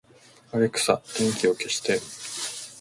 アレクサ、電気を消して